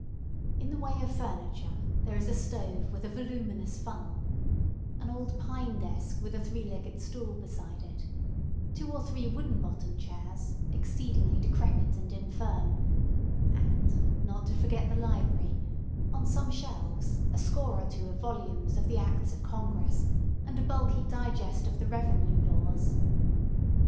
In the way of furniture, there is a stove with a voluminous funnel; an old pine desk with a three legged stool beside it; two or three wooden bottom chairs, exceedingly decrepit and infirm; and—not to forget the library—on some shelves, a score or two of volumes of the Acts of Congress, and a bulky Digest of the Revenue laws.